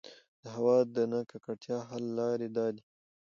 د هـوا د نـه ککـړتيا حـل لـارې دا دي: